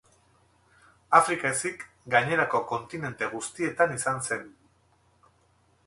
Afrika ezik gainerako kontinente guztietan izan zen.